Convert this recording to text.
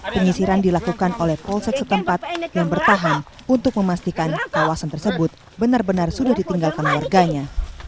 penyisiran dilakukan oleh polsek setempat yang bertahan untuk memastikan kawasan tersebut benar benar sudah ditinggalkan warganya